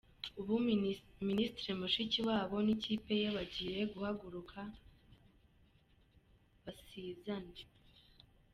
Ubu Ministre Mushikiwabo n’ikipe ye bagiye guhaguruka basizane.